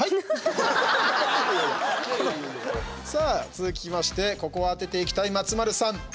続きましてここは当てていきたい松丸さん。